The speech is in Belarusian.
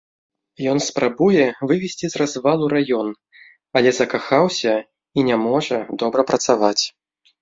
Ён спрабуе вывесці з развалу раён, але закахаўся і не можа добра працаваць.